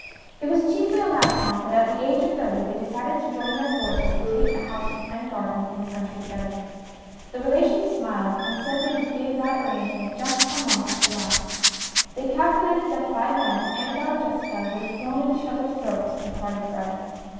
It was chiefly on that account that at the age of thirty they decided to join their forces and take a house and garden in the country together. The relations smiled and said they would give that arrangement just one month to last. They calculated that by then Annabel and Jessica would have flown at each other's throats and parted for ever.